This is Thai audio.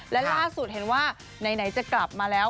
และล่าสุดเห็นว่าไหนจะกลับมาแล้ว